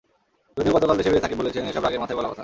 যদিও গতকাল দেশে ফিরে সাকিব বলেছেন, এসব রাগের মাথায় বলা কথা।